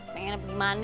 pengen apa gimana